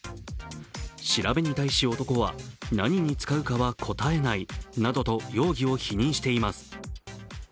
調べに対し男は、何に使うかは答えないなどと容疑を否認しています。